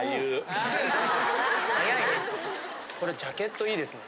これジャケットいいですね。